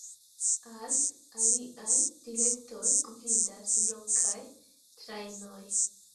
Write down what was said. Al aliaj direktoj gvidas lokaj trajnoj.